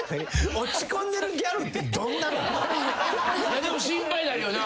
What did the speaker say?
いやでも心配になるよな。